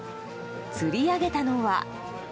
釣り上げたのは。